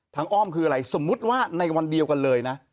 อ้อมคืออะไรสมมุติว่าในวันเดียวกันเลยนะ